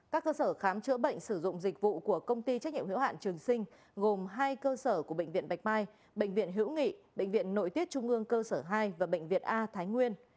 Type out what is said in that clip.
các cơ sở khám chữa bệnh sử dụng dịch vụ của công ty trách nhiệm hiệu hạn trường sinh gồm hai cơ sở của bệnh viện bạch mai bệnh viện hữu nghị bệnh viện nội tiết trung ương cơ sở hai và bệnh viện a thái nguyên